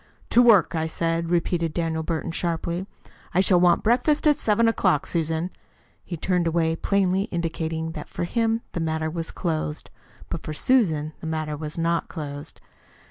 "To work, I said," repeated Daniel Burton sharply. "I shall want breakfast at seven o'clock, Susan." He turned away plainly indicating that for him the matter was closed. But for Susan the matter was not closed.